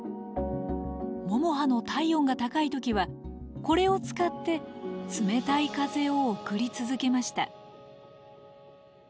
ももはの体温が高い時はこれを使って冷たい風を送り続けました。